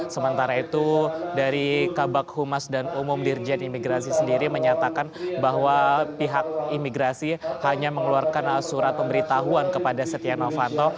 sementara itu dari kabak humas dan umum dirjen imigrasi sendiri menyatakan bahwa pihak imigrasi hanya mengeluarkan surat pemberitahuan kepada setia novanto